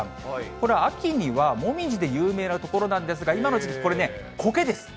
これ、秋にはもみじで有名な所なんですが、今の時期、これね、こけです。